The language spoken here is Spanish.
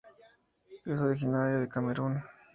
Es originaria de Camerún.